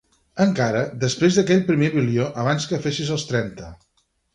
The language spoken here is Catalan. Encara, després d'aquell primer milió abans de que fessis els trenta.